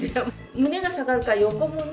胸が下がるから横もね。